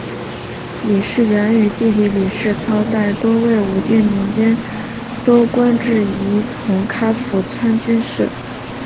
李士元与弟弟李士操在东魏武定年间都官至仪同开府参军事。